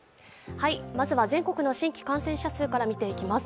まずは全国の新規感染者数から見ていきます。